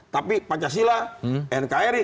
tapi pancasila nkri